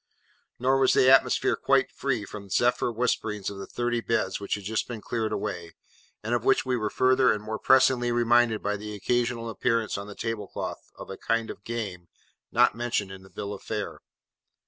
Nor was the atmosphere quite free from zephyr whisperings of the thirty beds which had just been cleared away, and of which we were further and more pressingly reminded by the occasional appearance on the table cloth of a kind of Game, not mentioned in the Bill of Fare.